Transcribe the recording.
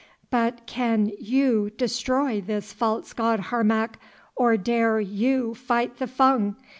"But can you destroy this false god Harmac, or dare you fight the Fung?